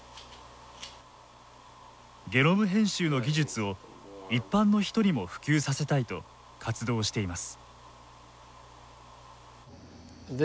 ゲノム編集の技術を一般の人にも普及させたいと活動をしています。